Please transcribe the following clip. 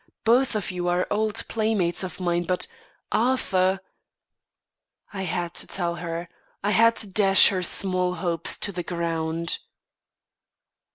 Both of you are old playmates of mine, but Arthur " I had to tell her; I had to dash her small hopes to the ground.